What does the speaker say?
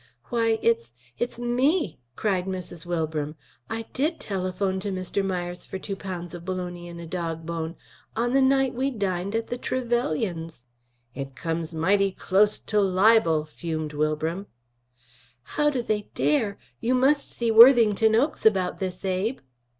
why! it's it's me!" cried Mrs. Wilbram. "I did telephone to Mr. Myers for two pounds of bologna and a dog bone on the night we dined at the Trevelyans'!" "It comes mighty close to libel," fumed Wilbram. "How do they dare! You must see Worthington Oakes about this, Abe."